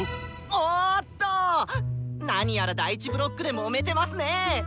おっとなにやら第１ブロックでもめてますね！